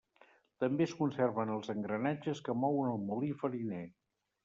També es conserven els engranatges que mouen el molí fariner.